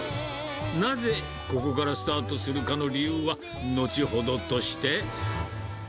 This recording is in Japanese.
なぜ、ここからスタートするかの理由は、後ほどとして。